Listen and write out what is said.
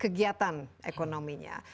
meningkatkan kegiatan ekonominya